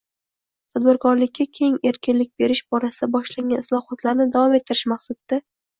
tadbirkorlikka keng erkinlik berish borasida boshlangan islohotlarni davom ettirish maqsadida.